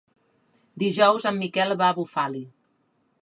Dijous en Miquel va a Bufali.